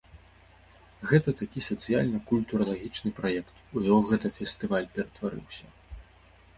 Гэта такі сацыяльна-культуралагічны праект, у яго гэта фестываль ператварыўся.